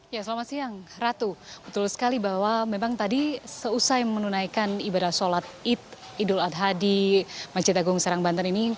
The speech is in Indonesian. ya selamat siang ratu betul sekali bahwa memang tadi seusai menunaikan ibadah sholat id idul adha di masjid agung serang banten ini